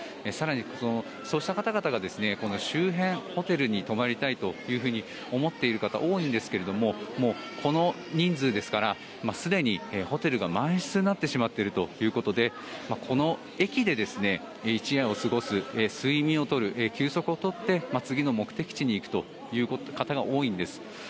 更にそうした方々が周辺のホテルに泊まりたいというふうに思っている方が多いんですがこの人数ですからすでにホテルが満室になってしまっているということでこの駅で一夜を過ごす、睡眠を取る休息を取って次の目的地に行くという方が多いんです。